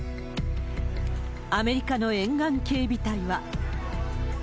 アメリカの沿岸警備隊は。